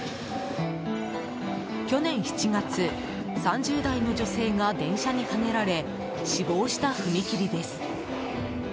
去年７月３０代の女性が電車にはねられ死亡した踏切です。